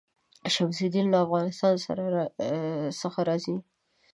شمس الدین له افغانستان څخه راځي.